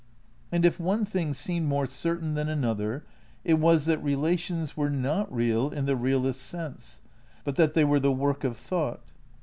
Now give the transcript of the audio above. And if one thing seemed more certain than another it was that relations were not real in the realist 's sense, but that they were "the work of thought."